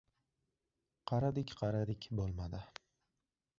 — Qaradik-qaradik, bo‘lmadi.